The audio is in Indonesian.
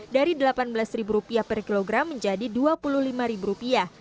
dari rp delapan belas per kilogram menjadi rp dua puluh lima